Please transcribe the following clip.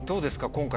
今回。